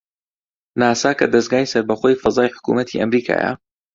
ناسا کە دەزگای سەربەخۆی فەزای حکوومەتی ئەمریکایە